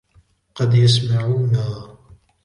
قد يسمعونا.